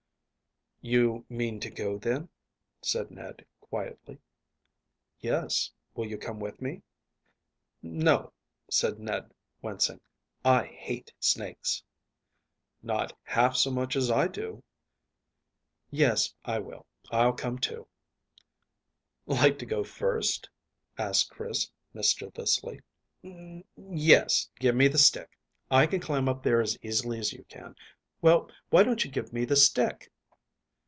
"You mean to go, then?" said Ned quietly. "Yes. Will you come with me?" "No," said Ned, wincing. "I hate snakes." "Not half so much as I do." "Yes, I will. I'll come too." "Like to go first?" asked Chris mischievously. "N yes, give me the stick. I can climb up there as easily as you can. Well, why don't you give me the stick?"